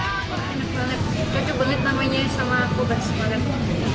cocok banget namanya sama kobar semangat